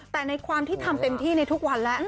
แต่ในความที่ทำเต็มที่ในทุกวันแล้ว